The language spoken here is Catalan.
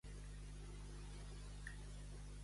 Bonic com l'esternut de Judes.